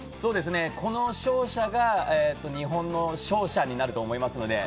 この勝者が日本の勝者になると思いますので。